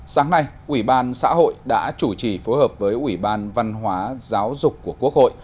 sáng nay ủy ban xã hội đã chủ trì phối hợp với ủy ban văn hóa giáo dục của quốc hội